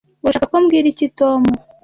Urashaka ko mbwira iki Tom?